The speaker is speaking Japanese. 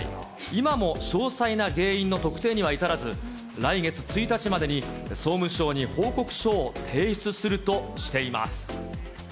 今も詳細な原因の特定には至らず、来月１日までに、総務省に報告書を提出するとしています。